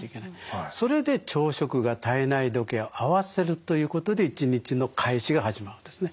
それで朝食が体内時計を合わせるということで一日の開始が始まるんですね。